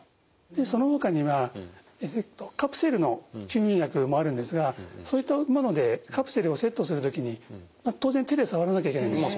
そのほかにはカプセルの吸入薬もあるんですがそういったものでカプセルをセットする時に当然手でさわらなきゃいけないですよね。